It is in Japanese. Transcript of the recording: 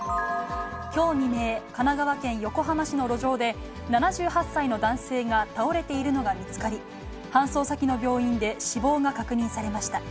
きょう未明、神奈川県横浜市の路上で、７８歳の男性が倒れているのが見つかり、搬送先の病院で死亡が確認されました。